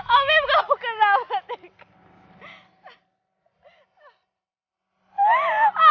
amin kamu kenapa tinggal